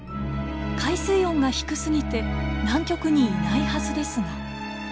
海水温が低すぎて南極にいないはずですが。